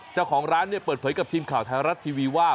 เจ้าของร้านเนี่ยเปิดเผยกับทีมข่าวไทยรัฐทีวีว่า